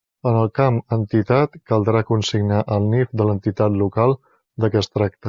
En el camp Entitat caldrà consignar el NIF de l'entitat local de què es tracte.